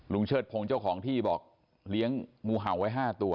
เชิดพงศ์เจ้าของที่บอกเลี้ยงงูเห่าไว้๕ตัว